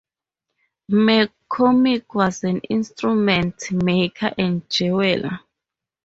McCormick was an instrument-maker and jeweller.